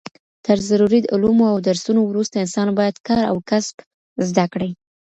تر ضروري علومو او درسونو وروسته انسان بايد کار او کسب زده کړي